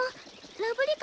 「ラブリカ」